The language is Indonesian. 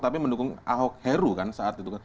tapi mendukung ahok heru saat itu